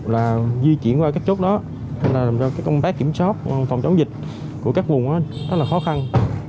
là di chuyển qua các chốt đó nên làm cho cái công tác kiểm soát phòng chống dịch của các vùng rất là khó khăn